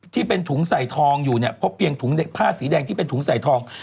ที่เป็นถุงใส่ทองพบเพียงผ้าสีแดงที่เป็นถุงใส่ทอง